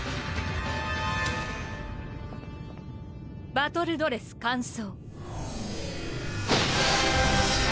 バトルドレス換装。